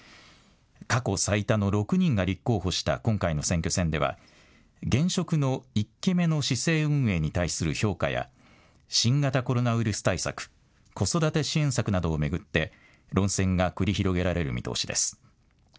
過去最多の６人が立候補した今回の選挙戦では現職の１期目の市政運営に対する評価や新型コロナウイルス対策、子育て支援策などを巡って論戦が繰り広げられる見通しです。